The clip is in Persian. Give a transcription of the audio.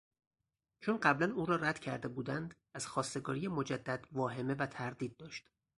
چون قبلا او را ردکرده بودند از خواستگاری مجدد واهمه و تردید داشت.